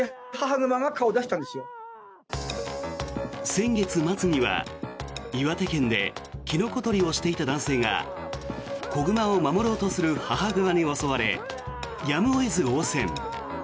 先月末には岩手県でキノコ採りをしていた男性が子熊を守ろうとする母熊に襲われやむを得ず応戦。